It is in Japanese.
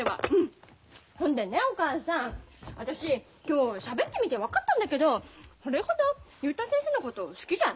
ほんでねお母さん私今日しゃべってみて分かったんだけどそれほど竜太先生のこと好きじゃなかった。